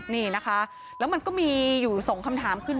นี่นะคะแล้วมันก็มีอยู่สองคำถามคือ